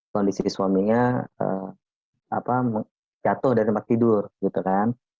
kondisi suaminya jatuh dari tempat tidur gitu kan